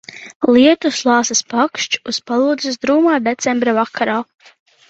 Lietus lāses pakšķ uz palodzes drūmā decembra vakarā.